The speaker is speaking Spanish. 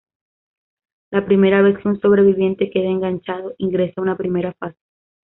La primera vez que un sobreviviente queda enganchado, ingresa a una primera fase.